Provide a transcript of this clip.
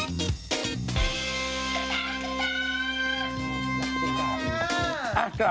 กลับไปกันนะครับ